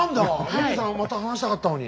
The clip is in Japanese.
ヘルーさんまた話したかったのに。